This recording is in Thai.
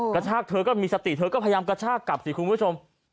กระชากเธอก็มีสติเธอก็พยายามกระชากกลับสิคุณผู้ชม